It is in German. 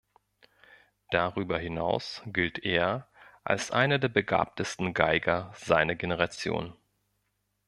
Darüber hinaus gilt er als einer der begabtesten Geiger seiner Generation.